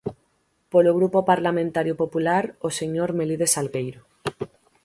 Polo Grupo Parlamentario Popular, o señor Melide Salgueiro.